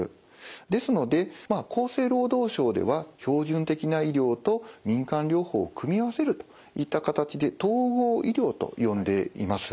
ですので厚生労働省では標準的な医療と民間療法を組み合わせるといった形で統合医療と呼んでいます。